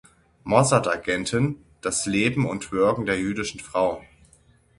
Mossad-Agentin“ das Leben und Wirken der jüdischen Frau.